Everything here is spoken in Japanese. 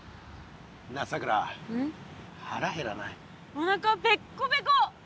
おなかペッコペコ。